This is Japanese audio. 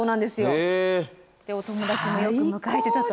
でお友達もよく迎えてたと。